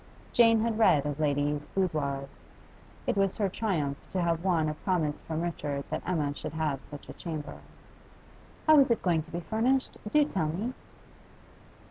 Jane had read of ladies' boudoirs; it was her triumph to have won a promise from Richard that Emma should have such a chamber. 'How is it going to be furnished? Do tell me.